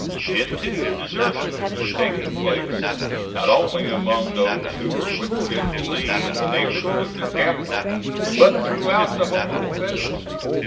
Then, too, desertions were taking place, not only among those who were with General Lee in the neighborhood of their capital, but throughout the whole Confederacy.